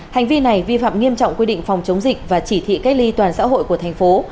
hành vi này vi phạm nghiêm trọng quy định phòng chống dịch và chỉ thị cách ly toàn xã hội của thành phố